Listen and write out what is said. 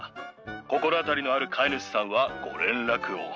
心当たりのある飼い主さんはご連絡を。